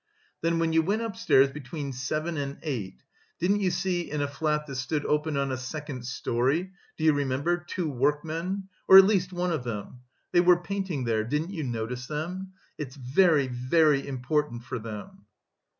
"Then when you went upstairs between seven and eight, didn't you see in a flat that stood open on a second storey, do you remember? two workmen or at least one of them? They were painting there, didn't you notice them? It's very, very important for them."